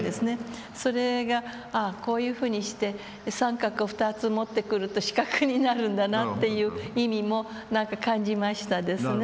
それがああこういうふうにして三角を２つ持ってくると四角になるんだなっていう意味も何か感じましたですね